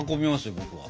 僕は。